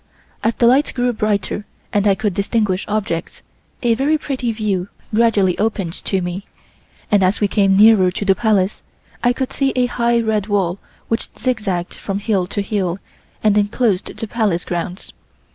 As the light grew brighter and I could distinguish objects, a very pretty view gradually opened to me, and as we came nearer to the Palace I could see a high red wall which zigzagged from hill to hill and enclosed the Palace grounds.